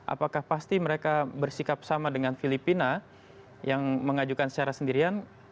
apakah pasti mereka bersikap sama dengan filipina yang mengajukan secara sendirian